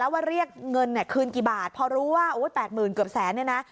แล้วว่าเรียกเงินคืนกี่บาทเพราะรู้ว่า๘หมื่นเกือบแสนเนี่ยนะ